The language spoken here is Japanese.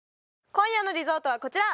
今夜のリゾートはこちら！